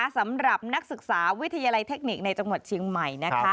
สำหรับนักศึกษาวิทยาลัยเทคนิคในจังหวัดเชียงใหม่